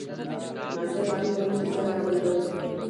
لمسی له خپل نوم سره ویاړي.